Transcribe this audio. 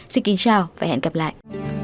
xin kính chào và hẹn gặp lại